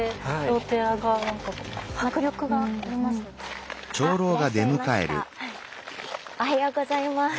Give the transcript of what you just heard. おはようございます。